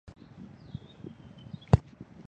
立花家老臣。